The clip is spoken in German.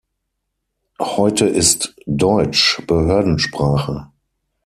Heute ist Deutsch Behördensprache.